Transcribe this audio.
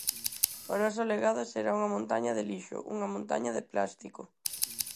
O noso legado será unha montaña de lixo, unha montaña de plástico.